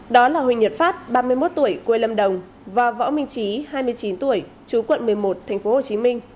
đó là huỳnh nhật phát ba mươi một tuổi quê lâm đồng và võ minh trí hai mươi chín tuổi chú quận một mươi một tp hcm